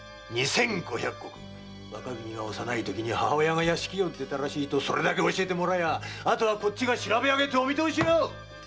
五百石若君が幼いときに母親が屋敷を出たらしいとそれだけ教えてもらやあとはこっちが調べ上げてお見通しよ！